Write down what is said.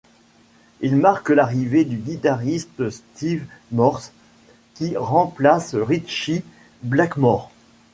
Il marque l'arrivée du guitariste Steve Morse, qui remplace Ritchie Blackmore.